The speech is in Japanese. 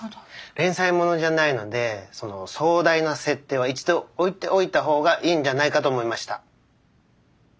連載ものじゃないのでその壮大な設定は一度おいておいたほうがいいんじゃないかと思いました。